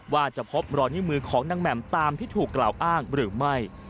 ว่าจะพบรอยนิ้วมือของนางแหม่มตามที่ถูกกล่าวอ้างหรือไม่